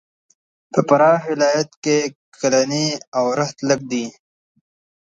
په فراه ولایت کښې کلنی اورښت لږ دی.